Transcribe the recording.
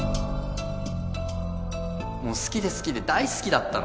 もう好きで好きで大好きだったの。